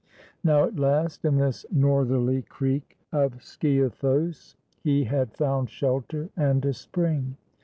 Now at last, in this northerly creek of Sciathos, he had found shelter and a spring.